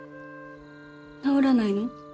治らないの？